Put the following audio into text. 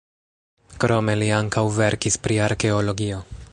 Krome li ankaŭ verkis pri arkeologio.